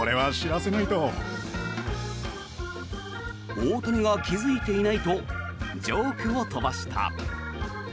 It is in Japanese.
大谷が気付いていないとジョークを飛ばした。